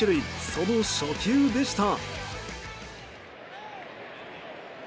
その初球でした。